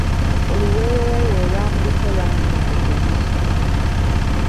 Oluwewowewo olwamuliko lwamulwaaza omusujja.